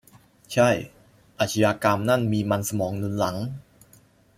ใช่ อาชญากรรมนั่นมีมันสมองหนุนหลัง